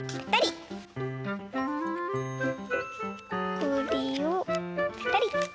これをぺたり。